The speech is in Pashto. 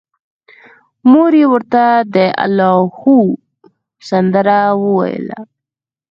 مور یې ورته د اللاهو سندره ویله